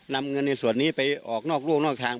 นำเงินในส่วนนี้ไปออกนอกร่วงนอกทาง